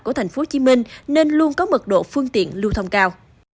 của tp hcm nên luôn có mật độ phương tiện lưu thông cao